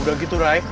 udah gitu rai